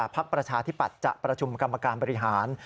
ประชาธิปัตย์จะประชุมกรรมการบริหาร